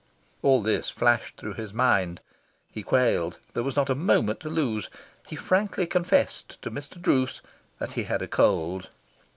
All this flashed through his mind. He quailed. There was not a moment to lose. He frankly confessed to Mr. Druce that he had a cold.